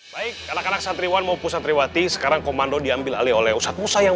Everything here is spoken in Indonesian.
baik anak anak santriwan maupun santriwati sekarang komando diambil oleh oleh usahamu sayang